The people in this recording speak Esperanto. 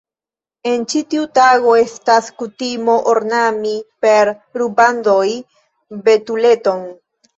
En ĉi tiu tago estas kutimo ornami per rubandoj betuleton.